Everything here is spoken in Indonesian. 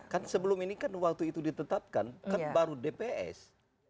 kan sebelum ini kan waktu itu ditetapkan kan baru dps